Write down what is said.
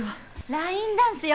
ラインダンスよ。